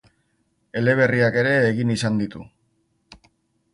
Eleberriak ere egin izan ditu.